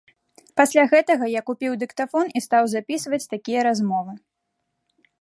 Пасля гэтага я купіў дыктафон і стаў запісваць такія размовы.